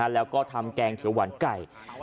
แล้วก็ทำแกงเขียวหวานไก่